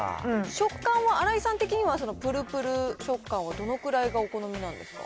食感は、新井さん的には、ぷるぷる食感はどのくらいがお好みなんですか？